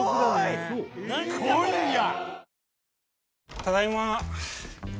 ただいま。